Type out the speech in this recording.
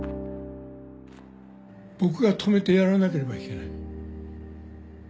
僕が止めてやらなければいけない。